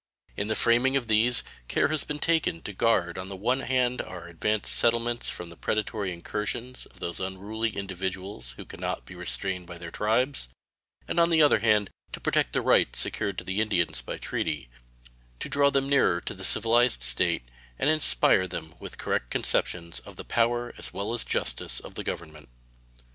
In the framing of these care has been taken to guard on the one hand our advanced settlements from the predatory incursions of those unruly individuals who can not be restrained by their tribes, and on the other hand to protect the rights secured to the Indians by treaty to draw them nearer to the civilized state and inspire them with correct conceptions of the power as well as justice of the Government.